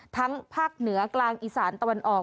ภาคเหนือกลางอีสานตะวันออก